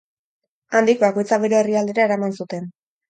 Handik, bakoitza bere herrialdera eraman zuten.